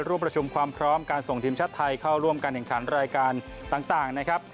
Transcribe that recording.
ร่วมประชุมความพร้อมการส่งทีมชาติไทยเข้าร่วมการแข่งขันรายการต่างนะครับ